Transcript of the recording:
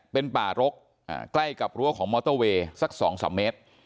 เป็นป่ารกใกล้กับรั้วของมอเตอร์เวย์สัก๒๓เมตร